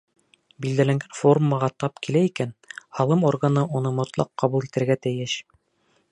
Билдәләнгән формаға тап килә икән, һалым органы уны мотлаҡ ҡабул итергә тейеш.